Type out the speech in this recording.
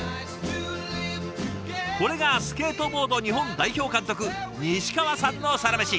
これがスケートボード日本代表監督西川さんのサラメシ。